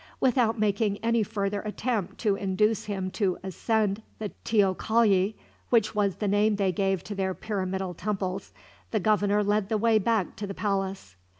Without making any further attempt to induce him to ascend the teocalli, which was the name they gave to their pyramidal temples, the governor led the way back to the palace.